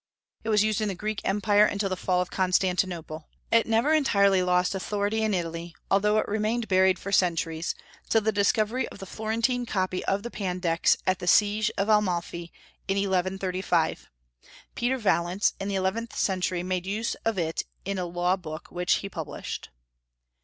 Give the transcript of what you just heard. It was used in the Greek empire until the fall of Constantinople. It never entirely lost authority in Italy, although it remained buried for centuries, till the discovery of the Florentine copy of the Pandects at the siege of Amalfi in 1135. Peter Valence, in the eleventh century, made use of it in a law book which he published.